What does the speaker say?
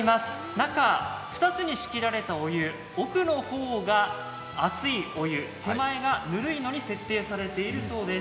中、２つに仕切られたお湯奥の方が熱いお湯手前がぬるいのに設定されているそうです。